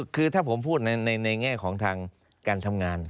คือถ้าผมพูดในแง่ของทางการทำงาน